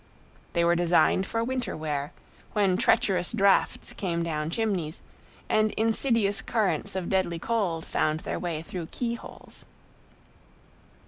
They were designed for winter wear, when treacherous drafts came down chimneys and insidious currents of deadly cold found their way through key holes.